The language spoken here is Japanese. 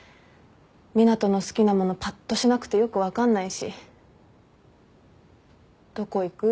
湊斗の好きなものぱっとしなくてよく分かんないしどこ行く？